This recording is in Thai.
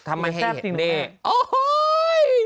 ถ้าไม่ให้เห็นแน่อ้อโหย